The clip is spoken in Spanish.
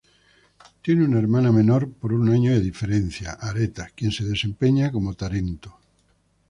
Tiene una hermana menor por un año, Aretha, quien se desempeña como "tarento".